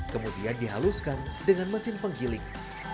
kemudian dihaluskan dengan mesin penggiling